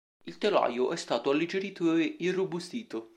Il telaio è stato alleggerito e irrobustito.